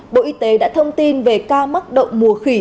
bộ y tế đã thông tin về ca mắc đậu mùa khỉ